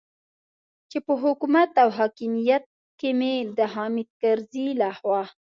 چې په حکومت او په حاکمیت کې مې د حامد کرزي لخوا.